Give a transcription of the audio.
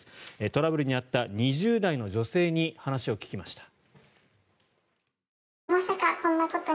トラブルに遭った２０代の女性に話を聞きました。